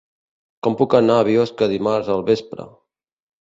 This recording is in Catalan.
Com puc anar a Biosca dimarts al vespre?